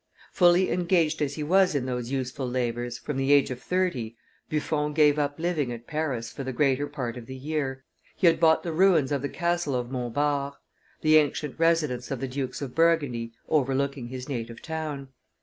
Fully engaged as he was in those useful labors, from the age of thirty, Buffon gave up living at Paris for the greater part of the year. He had bought the ruins of the castle of Montbard, the ancient residence of the Dukes of Burgundy, overlooking his native town.